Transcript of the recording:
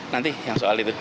nanti yang soal itu